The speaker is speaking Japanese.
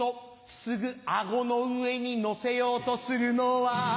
すぐ顎の上にのせようとするのは